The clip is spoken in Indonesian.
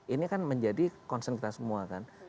ini kan menjadi concern kita semua kan